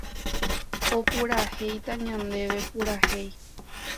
opurahéita ñandéve purahéi